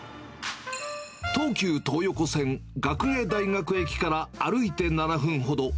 東急東横線学芸大学駅から歩いて７分ほど。